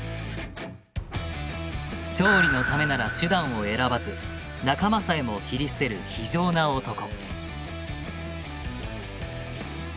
勝利のためなら手段を選ばず仲間さえも切り捨てる非情な男。